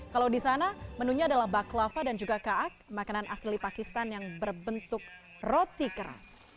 kalau di sana menunya adalah baklava dan juga kaak makanan asli pakistan yang berbentuk roti keras